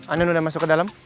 anin udah masuk ke dalam